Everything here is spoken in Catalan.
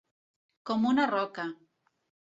Com una roca.